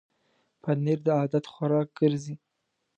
پنېر د عادت خوراک ګرځي.